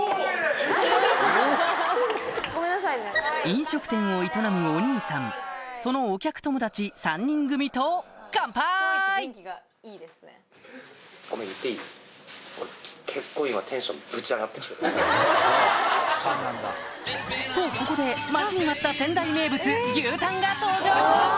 飲食店を営むお兄さんそのお客友達３人組とカンパイ！とここで待ちに待った仙台名物牛たんが登場！